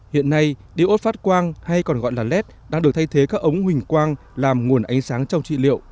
hiện nay đi ốt phát quang hay còn gọi là led đang được thay thế các ống hình quang làm nguồn ánh sáng trong trị liệu